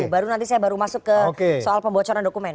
baru nanti saya baru masuk ke soal pembocoran dokumen